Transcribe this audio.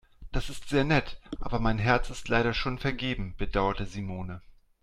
"Das ist sehr nett, aber mein Herz ist leider schon vergeben", bedauerte Simone.